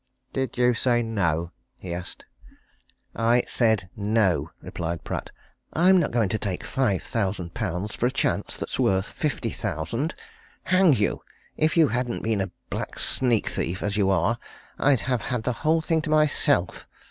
"Did you say no?" he asked. "I said no!" replied Pratt. "I'm not going to take five thousand pounds for a chance that's worth fifty thousand. Hang you! if you hadn't been a black sneak thief, as you are, I'd have had the whole thing to myself!